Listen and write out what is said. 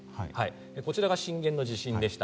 こちらが震源の地震でした。